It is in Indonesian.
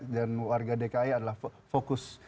dan warga dki adalah fokus